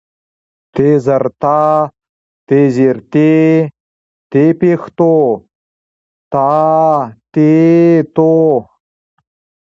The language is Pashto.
ت زر تا، ت زېر تي، ت پېښ تو، تا تي تو